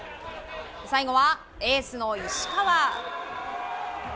最後はエースの石川。